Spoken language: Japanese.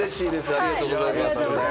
ありがとうございます。